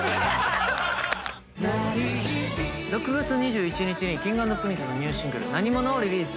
６月２１日にＫｉｎｇ＆Ｐｒｉｎｃｅのニューシングル『なにもの』をリリースします。